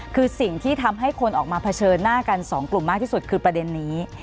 คือสิ่งที่ทำให้คนออกมาเผชิญหน้ากันสองกลุ่มมากที่สุดคือประเด็นนี้